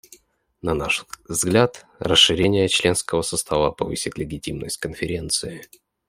На наш взгляд, расширение членского состава повысит легитимность Конференции.